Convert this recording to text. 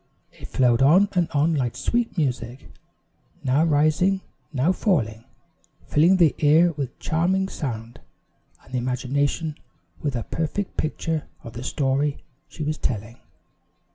It flowed on and on like sweet music, now rising, now falling, filling the ear with charming sound, and the imagination with a perfect picture of the story she was telling.